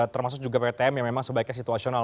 termasuk juga ptm yang memang sebaiknya situasional